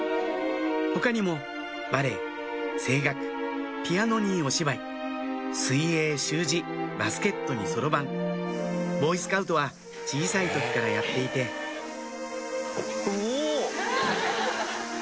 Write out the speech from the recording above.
他にもバレエ声楽ピアノにお芝居水泳習字バスケットにそろばんボーイスカウトは小さい時からやっていてお！